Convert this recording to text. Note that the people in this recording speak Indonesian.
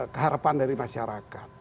keharapan dari masyarakat